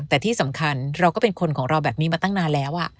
แต่ที่สำคัญเราก็เป็นคนของเราแบบนี้มาตั้งนานแล้ว